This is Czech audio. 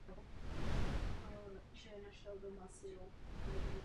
Interní se dělí ještě na hardwarové a softwarové.